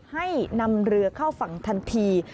ให้นำเรือเข้าฝั่งทันที